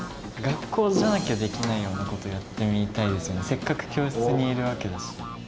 せっかく教室にいるわけだし。